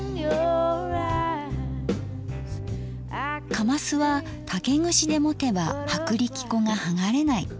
かますは竹串で持てば薄力粉が剥がれない。